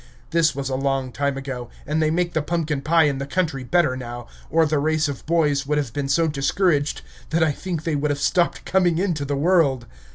This was a long time ago, and they make the pumpkin pie in the country better now, or the race of boys would have been so discouraged that I think they would have stopped coming into the world.